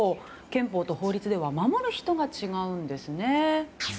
憲法と法律では守る人が違うんですね。